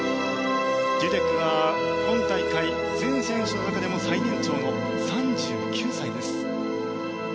デュデクは今大会全選手の中でも最年長の３９歳です。